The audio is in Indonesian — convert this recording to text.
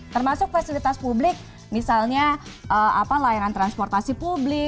termasuk fasilitas publik misalnya layanan transportasi publik